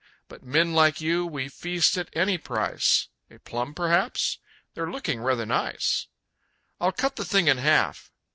But men like you we feast at any price A plum perhaps? They're looking rather nice! I'll cut the thing in half.